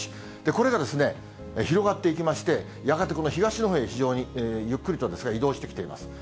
これが広がっていきまして、やがてこの東のほうへ非常にゆっくりとですが、移動してきています。